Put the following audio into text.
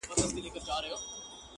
o بې زحمته راحت نسته.